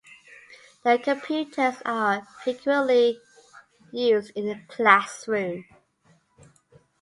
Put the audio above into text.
The computers are frequently used in the classroom.